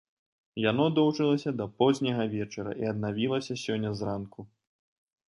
Яно доўжылася да позняга вечара і аднавілася сёння зранку.